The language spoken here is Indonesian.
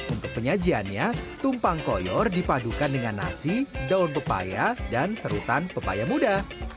untuk penyajiannya tumpang koyor dipadukan dengan nasi daun pepaya dan serutan pepaya muda